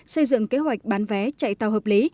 xây dựng kế hoạch bán vé chạy tàu hợp lý